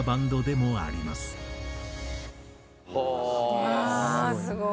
うわーすごい！